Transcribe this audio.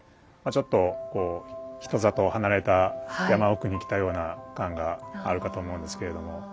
ちょっとこう人里離れた山奥に来たような感があるかと思うんですけれども。